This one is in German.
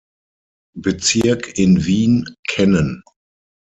Bezirk in Wien, kennen.